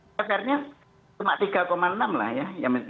pr nya cuma tiga enam lah ya